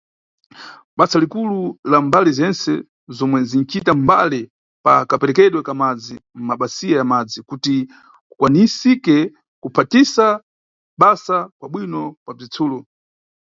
Basa likulu la mbali zentse zomwe zinʼcita mbali pa kaperekedwe ka madzi mʼmabasiya ya madzi, kuti kukwanisike kuphatisa basa kwa bwino kwa bzitsulo.